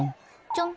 ちょん。